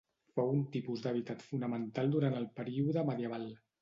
Fou un tipus d'hàbitat fonamental durant el període medieval.